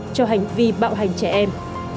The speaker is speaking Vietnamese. cho hành vi bạo hành trẻ em